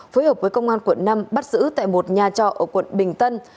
phối hợp với công an quận năm bắt giữ tại một nhà trọ ở quận bình tân